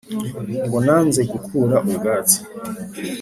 ngo nanze gukura ubwatsi